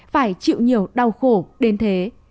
phải chịu nhiều đau khổ đến thế